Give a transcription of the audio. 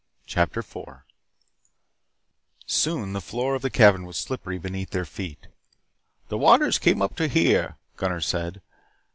CHAPTER 4 Soon the floor of the cavern was slippery beneath their feet. "The waters came up to here," Gunnar said.